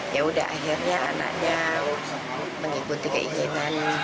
ya udah akhirnya anaknya mengikuti keinginan